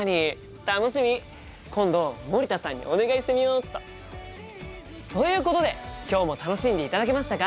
今度森田さんにお願いしてみよっと。ということで今日も楽しんでいただけましたか？